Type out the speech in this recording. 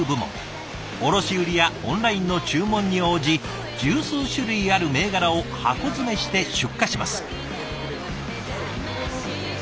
卸売りやオンラインの注文に応じ十数種類ある銘柄を箱詰めして出荷します。